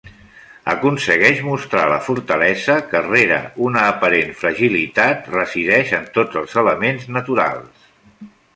Aconsegueix mostrar la fortalesa que, rere una aparent fragilitat, resideix en tots els elements naturals.